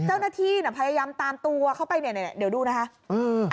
เจ้าหน้าที่พยายามตามตัวเข้าไปเนี่ยเดี๋ยวดูนะคะ